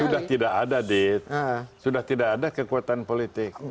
sudah tidak ada dit sudah tidak ada kekuatan politik